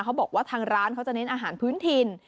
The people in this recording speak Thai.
เขาบอกว่าทางร้านเขาจะเน้นอาหารพื้นถิ่น